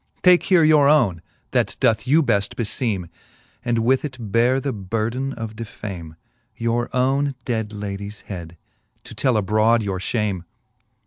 Take here your owne, that doth you beft befeeme, And with it beare the burden of defame ; Your owne dead ladies head, to tell abrode your fliame.